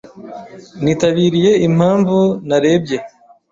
Nitabiriye impamvu narebye